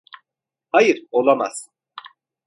Hayır, olamaz.